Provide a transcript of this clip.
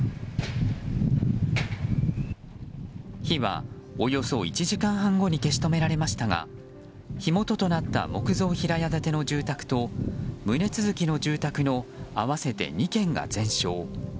火はおよそ１時間半後に消し止められましたが火元となった木造平屋建ての住宅と棟続きの住宅の合わせて２軒が全焼。